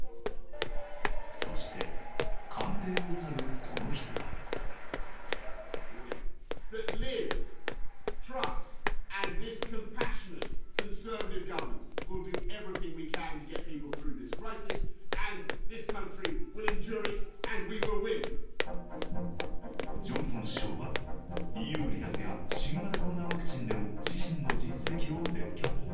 そして、官邸を去るこの人はジョンソン首相はＥＵ離脱や新型コロナワクチンでの自身の実績を列挙。